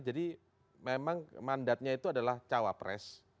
jadi memang mandatnya itu adalah cawapres